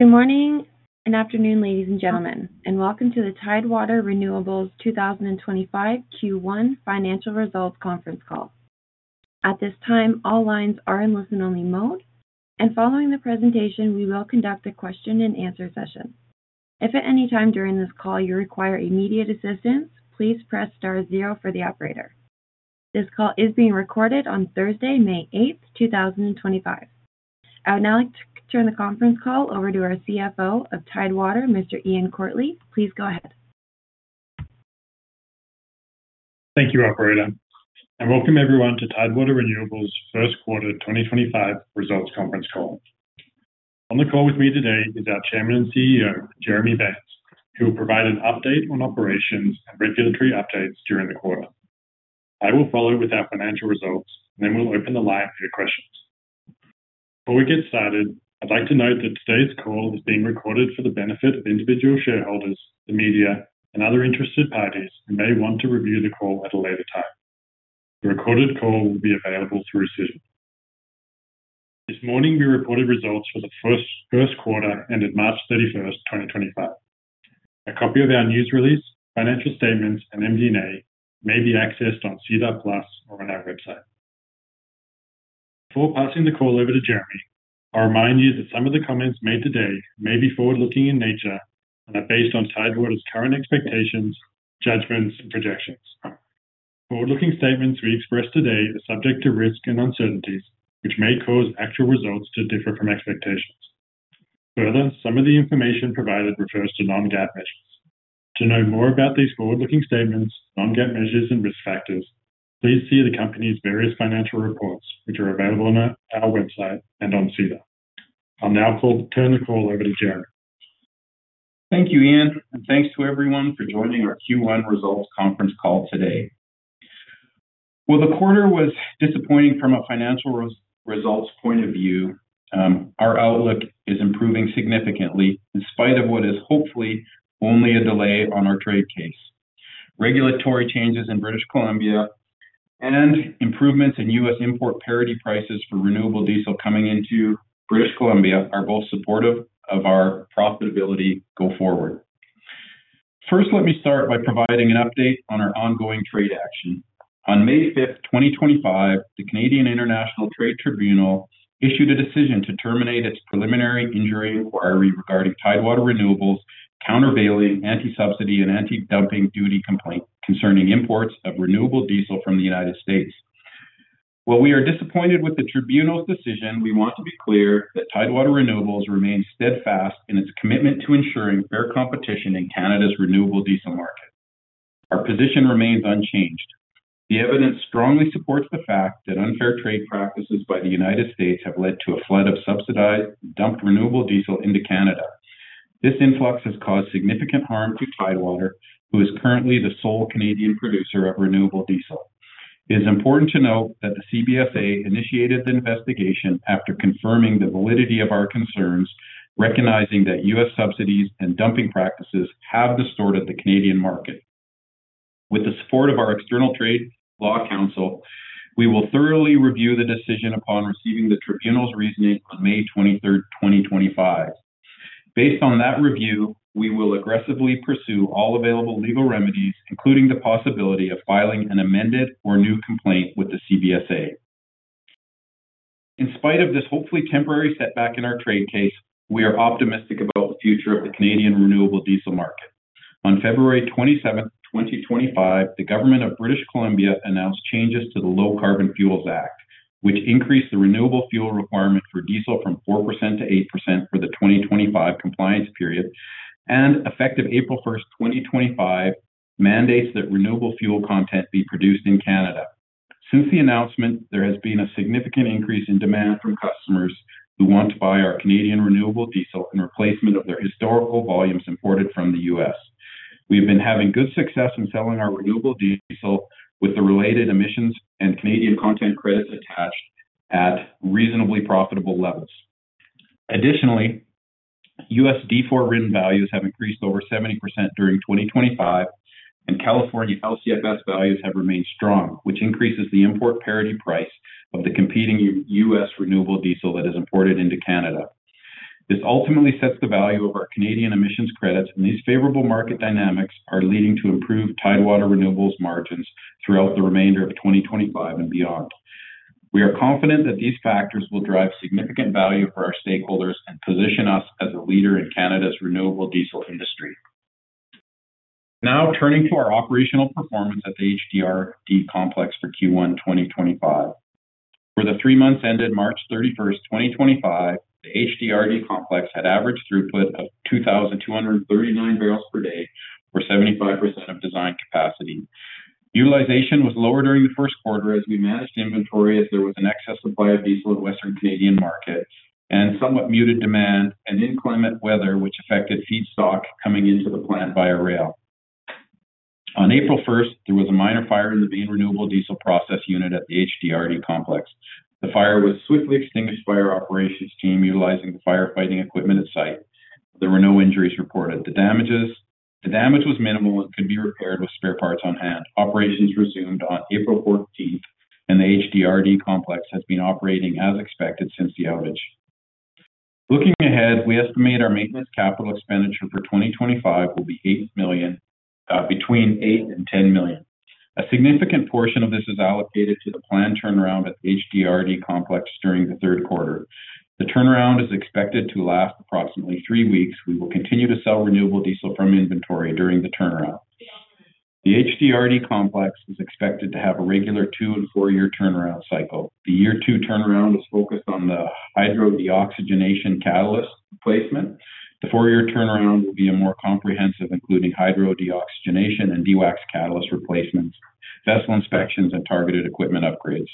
Good morning and afternoon, ladies and gentlemen, and welcome to the Tidewater Renewables 2025 Q1 Financial Results Conference Call. At this time, all lines are in listen-only mode, and following the presentation, we will conduct a question-and-answer session. If at any time during this call you require immediate assistance, please press star zero for the operator. This call is being recorded on Thursday, May 8th, 2025. I would now like to turn the conference call over to our CFO of Tidewater Renewables, Mr. Ian Quartly. Please go ahead. Thank you, Operator. Welcome, everyone, to Tidewater Renewables' first quarter 2025 results conference call. On the call with me today is our Chairman and CEO, Jeremy Baines, who will provide an update on operations and regulatory updates during the quarter. I will follow with our financial results, and then we'll open the line for your questions. Before we get started, I'd like to note that today's call is being recorded for the benefit of individual shareholders, the media, and other interested parties who may want to review the call at a later time. The recorded call will be available through Zoom. This morning, we reported results for the first quarter ended March 31st, 2025. A copy of our news release, financial statements, and MD&A may be accessed on SEDAR+ or on our website. Before passing the call over to Jeremy, I remind you that some of the comments made today may be forward-looking in nature and are based on Tidewater Renewables' current expectations, judgments, and projections. Forward-looking statements we express today are subject to risk and uncertainties, which may cause actual results to differ from expectations. Further, some of the information provided refers to non-GAAP measures. To know more about these forward-looking statements, non-GAAP measures, and risk factors, please see the company's various financial reports, which are available on our website and on SEDAR. I'll now turn the call over to Jeremy. Thank you, Ian, and thanks to everyone for joining our Q1 results conference call today. While the quarter was disappointing from a financial results point of view, our outlook is improving significantly in spite of what is hopefully only a delay on our trade case. Regulatory changes in British Columbia and improvements in U.S. import parity prices for renewable diesel coming into British Columbia are both supportive of our profitability go forward. First, let me start by providing an update on our ongoing trade action. On May 5th, 2025, the Canadian International Trade Tribunal issued a decision to terminate its preliminary injury inquiry regarding Tidewater Renewables' countervailing, anti-subsidy, and anti-dumping duty complaint concerning imports of renewable diesel from the United States. While we are disappointed with the Tribunal's decision, we want to be clear that Tidewater Renewables remains steadfast in its commitment to ensuring fair competition in Canada's renewable diesel market. Our position remains unchanged. The evidence strongly supports the fact that unfair trade practices by the United States have led to a flood of subsidized dumped renewable diesel into Canada. This influx has caused significant harm to Tidewater, who is currently the sole Canadian producer of renewable diesel. It is important to note that the Canada Border Services Agency initiated the investigation after confirming the validity of our concerns, recognizing that U.S. subsidies and dumping practices have distorted the Canadian market. With the support of our external trade law counsel, we will thoroughly review the decision upon receiving the Tribunal's reasoning on May 23rd, 2025. Based on that review, we will aggressively pursue all available legal remedies, including the possibility of filing an amended or new complaint with the Canada Border Services Agency. In spite of this hopefully temporary setback in our trade case, we are optimistic about the future of the Canadian renewable diesel market. On February 27, 2025, the Government of British Columbia announced changes to the Low Carbon Fuels Act, which increased the renewable fuel requirement for diesel from 4% to 8% for the 2025 compliance period and, effective April 1, 2025, mandates that renewable fuel content be produced in Canada. Since the announcement, there has been a significant increase in demand from customers who want to buy our Canadian renewable diesel in replacement of their historical volumes imported from the U.S. We have been having good success in selling our renewable diesel with the related emissions and Canadian content credits attached at reasonably profitable levels. Additionally, U.S. D4 RIN values have increased over 70% during 2025, and California LCFS values have remained strong, which increases the import parity price of the competing U.S. renewable diesel that is imported into Canada. This ultimately sets the value of our Canadian emissions credits, and these favorable market dynamics are leading to improved Tidewater Renewables' margins throughout the remainder of 2025 and beyond. We are confident that these factors will drive significant value for our stakeholders and position us as a leader in Canada's renewable diesel industry. Now turning to our operational performance at the HDRD Complex for Q1 2025. For the three months ended March 31st, 2025, the HDRD Complex had average throughput of 2,239 barrels per day, or 75% of design capacity. Utilization was lower during the first quarter as we managed inventory as there was an excess supply of diesel at Western Canadian market and somewhat muted demand and inclement weather, which affected feedstock coming into the plant via rail. On April 1st, there was a minor fire in the main renewable diesel process unit at the HDRD Complex. The fire was swiftly extinguished by our operations team utilizing the firefighting equipment at site. There were no injuries reported. The damage was minimal and could be repaired with spare parts on hand. Operations resumed on April 14th, and the HDRD complex has been operating as expected since the outage. Looking ahead, we estimate our maintenance capital expenditure for 2025 will be between $8 million-$10 million. A significant portion of this is allocated to the planned turnaround at the HDRD complex during the third quarter. The turnaround is expected to last approximately three weeks. We will continue to sell renewable diesel from inventory during the turnaround. The HDRD complex is expected to have a regular two- and four-year turnaround cycle. The year-two turnaround is focused on the hydrodeoxygenation catalyst replacement. The four-year turnaround will be more comprehensive, including hydrodeoxygenation and DWACS catalyst replacements, vessel inspections, and targeted equipment upgrades.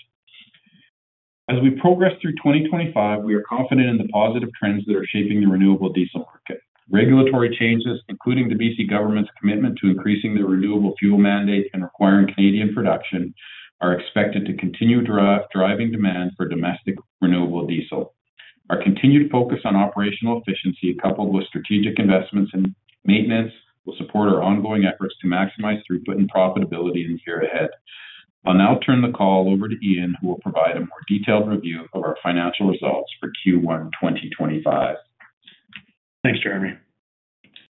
As we progress through 2025, we are confident in the positive trends that are shaping the renewable diesel market. Regulatory changes, including the BC government's commitment to increasing the renewable fuel mandate and requiring Canadian production, are expected to continue driving demand for domestic renewable diesel. Our continued focus on operational efficiency, coupled with strategic investments in maintenance, will support our ongoing efforts to maximize throughput and profitability in the year ahead. I'll now turn the call over to Ian, who will provide a more detailed review of our financial results for Q1 2025. Thanks, Jeremy.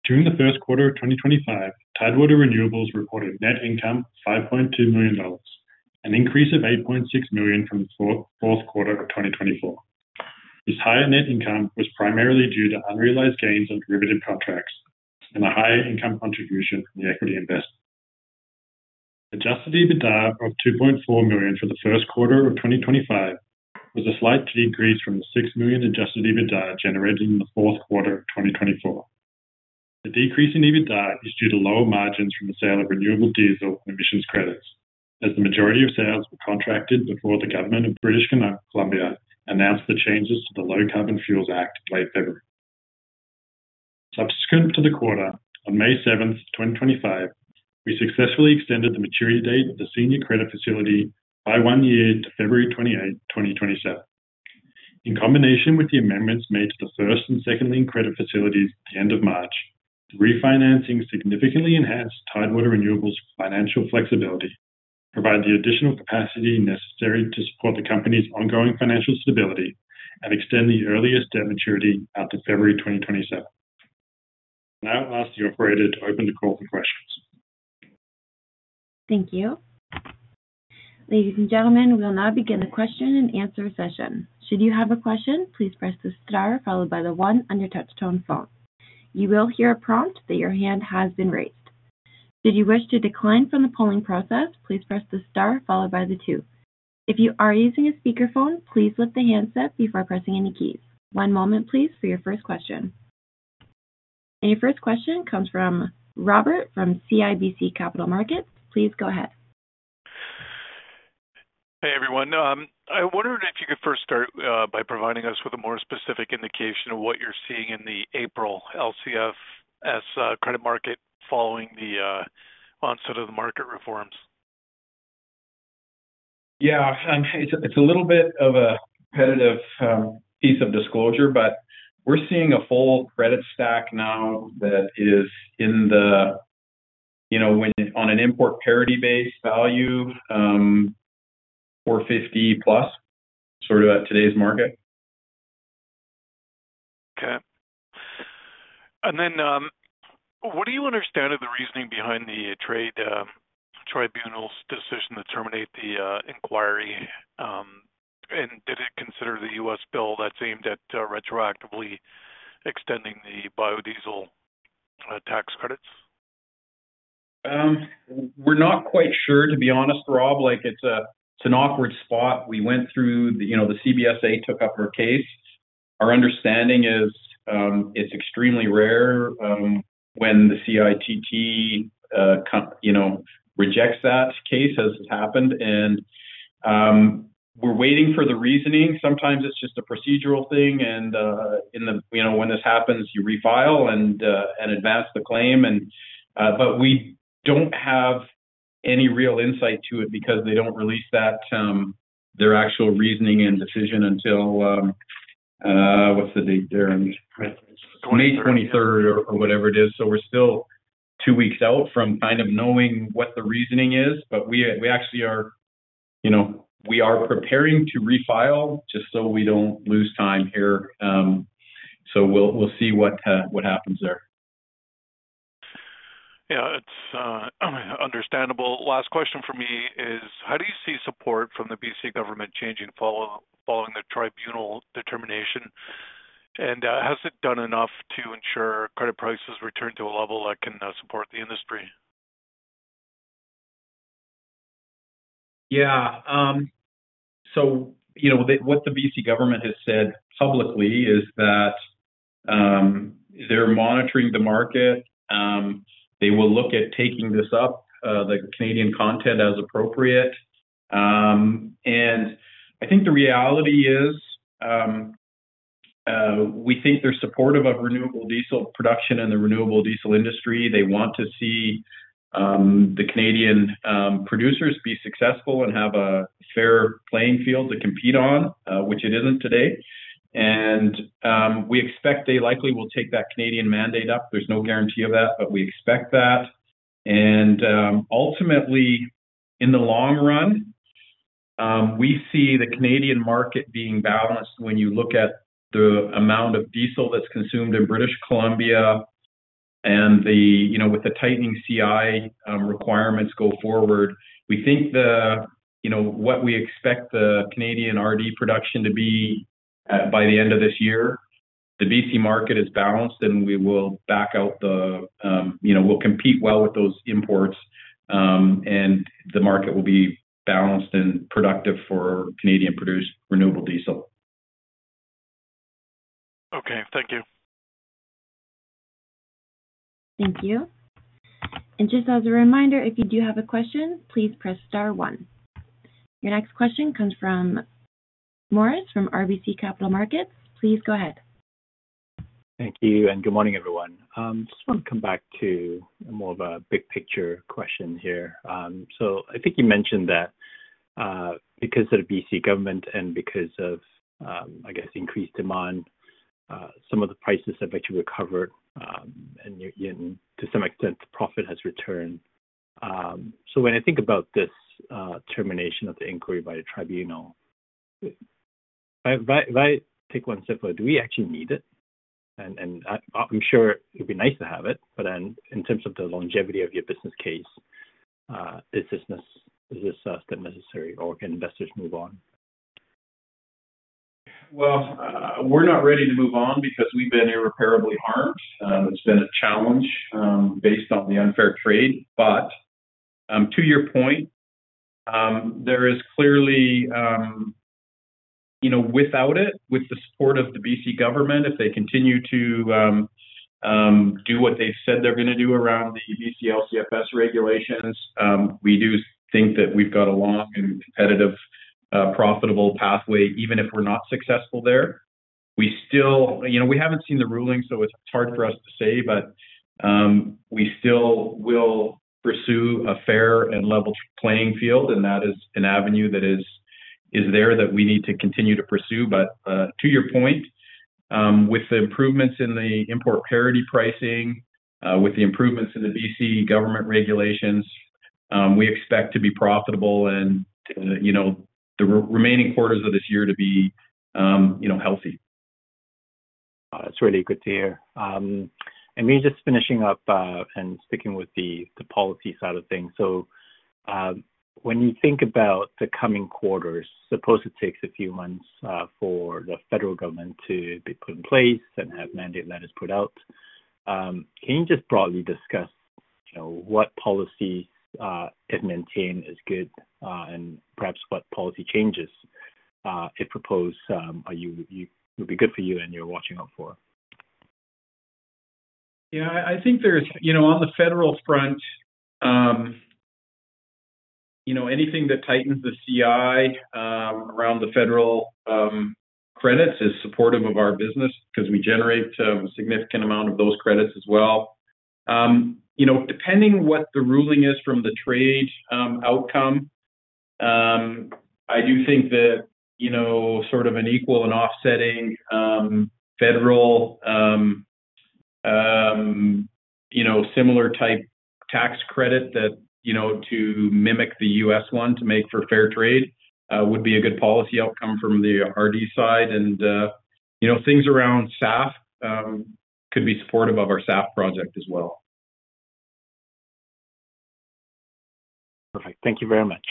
During the first quarter of 2025, Tidewater Renewables reported net income of $5.2 million, an increase of $8.6 million from the fourth quarter of 2024. This higher net income was primarily due to unrealized gains on derivative contracts and a higher income contribution from the equity investment. Adjusted EBITDA of $2.4 million for the first quarter of 2025 was a slight decrease from the $6 million adjusted EBITDA generated in the fourth quarter of 2024. The decrease in EBITDA is due to lower margins from the sale of renewable diesel and emissions credits, as the majority of sales were contracted before the Government of British Columbia announced the changes to the Low Carbon Fuels Act in late February. Subsequent to the quarter, on May 7th, 2025, we successfully extended the maturity date of the senior credit facility by one year to February 28th, 2027. In combination with the amendments made to the first and second-lien credit facilities at the end of March, the refinancing significantly enhanced Tidewater Renewables' financial flexibility, provided the additional capacity necessary to support the company's ongoing financial stability, and extended the earliest debt maturity out to February 2027. I'll now ask the operator to open the call for questions. Thank you. Ladies and gentlemen, we will now begin the question-and-answer session. Should you have a question, please press the star followed by the one on your touch-tone phone. You will hear a prompt that your hand has been raised. Should you wish to decline from the polling process, please press the star followed by the two. If you are using a speakerphone, please lift the handset before pressing any keys. One moment, please, for your first question. Your first question comes from Robert from CIBC Capital Markets. Please go ahead. Hey, everyone. I wondered if you could first start by providing us with a more specific indication of what you're seeing in the April LCFS credit market following the onset of the market reforms. Yeah. It's a little bit of a repetitive piece of disclosure, but we're seeing a full credit stack now that is in the, you know, on an import parity-based value, $450-plus, sort of at today's market. Okay. What do you understand of the reasoning behind the Tribunal's decision to terminate the inquiry? Did it consider the U.S. bill that's aimed at retroactively extending the biodiesel tax credits? We're not quite sure, to be honest, Rob. Like, it's an awkward spot. We went through, you know, the Canada Border Services Agency took up our case. Our understanding is it's extremely rare when the CITT, you know, rejects that case, as has happened. We're waiting for the reasoning. Sometimes it's just a procedural thing. You know, when this happens, you refile and advance the claim. We don't have any real insight to it because they don't release their actual reasoning and decision until, what's the date there? May 23rd or whatever it is. We're still two weeks out from kind of knowing what the reasoning is. We actually are, you know, we are preparing to refile just so we don't lose time here. We'll see what happens there. Yeah. It's understandable. Last question for me is, how do you see support from the BC government changing following the Tribunal determination? Has it done enough to ensure credit prices return to a level that can support the industry? Yeah. So, you know, what the BC government has said publicly is that they're monitoring the market. They will look at taking this up, the Canadian content as appropriate. I think the reality is we think they're supportive of renewable diesel production and the renewable diesel industry. They want to see the Canadian producers be successful and have a fair playing field to compete on, which it isn't today. We expect they likely will take that Canadian mandate up. There's no guarantee of that, but we expect that. Ultimately, in the long run, we see the Canadian market being balanced when you look at the amount of diesel that's consumed in British Columbia and the, you know, with the tightening CI requirements go forward. We think the, you know, what we expect the Canadian R&D production to be by the end of this year, the BC market is balanced, and we will back out the, you know, we'll compete well with those imports, and the market will be balanced and productive for Canadian-produced renewable diesel. Okay. Thank you. Thank you. Just as a reminder, if you do have a question, please press star one. Your next question comes from Maurice from RBC Capital Markets. Please go ahead. Thank you. Good morning, everyone. I just want to come back to more of a big-picture question here. I think you mentioned that because of the BC government and because of, I guess, increased demand, some of the prices have actually recovered, and to some extent, the profit has returned. When I think about this termination of the inquiry by the Tribunal, if I take one step forward, do we actually need it? I'm sure it would be nice to have it, but then in terms of the longevity of your business case, is this step necessary, or can investors move on? We're not ready to move on because we've been irreparably harmed. It's been a challenge based on the unfair trade. To your point, there is clearly, you know, without it, with the support of the BC government, if they continue to do what they've said they're going to do around the BC LCFS regulations, we do think that we've got a long and competitive, profitable pathway. Even if we're not successful there, we still, you know, we haven't seen the ruling, so it's hard for us to say, but we still will pursue a fair and level playing field. That is an avenue that is there that we need to continue to pursue. To your point, with the improvements in the import parity pricing, with the improvements in the BC government regulations, we expect to be profitable and, you know, the remaining quarters of this year to be, you know, healthy. It's really good to hear. We're just finishing up and sticking with the policy side of things. When you think about the coming quarters, suppose it takes a few months for the federal government to be put in place and have mandate letters put out. Can you just broadly discuss, you know, what policies it maintains is good and perhaps what policy changes it proposed will be good for you and you're watching out for? Yeah. I think there's, you know, on the federal front, you know, anything that tightens the CI around the federal credits is supportive of our business because we generate a significant amount of those credits as well. You know, depending on what the ruling is from the trade outcome, I do think that, you know, sort of an equal and offsetting federal, you know, similar type tax credit that, you know, to mimic the U.S. one to make for fair trade would be a good policy outcome from the R&D side. You know, things around SAF could be supportive of our SAF project as well. Perfect. Thank you very much.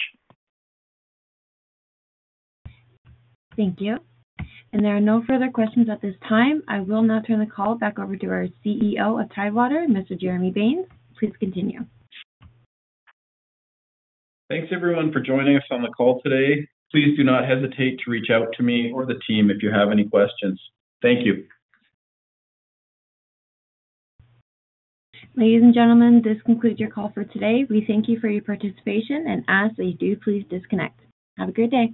Thank you. There are no further questions at this time. I will now turn the call back over to our CEO of Tidewater Renewables, Mr. Jeremy Baines. Please continue. Thanks, everyone, for joining us on the call today. Please do not hesitate to reach out to me or the team if you have any questions. Thank you. Ladies and gentlemen, this concludes your call for today. We thank you for your participation. As they do, please disconnect. Have a great day.